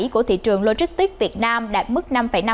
của thị trường logistics việt nam đạt mức năm năm